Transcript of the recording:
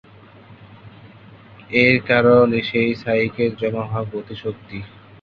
এর কারণ সেই সাইকেলে জমা হওয়া গতি শক্তি।